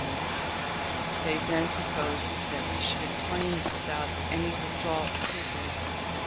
257 him. They then proposed that we should explain without any withdrawal of papers.